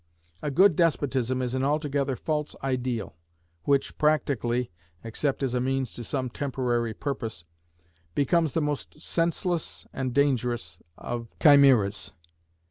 A good despotism is an altogether false ideal, which practically (except as a means to some temporary purpose) becomes the most senseless and dangerous of chimeras.